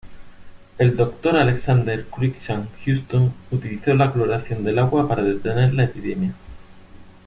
El Dr. Alexander Cruickshank Houston utilizó la cloración del agua para detener la epidemia.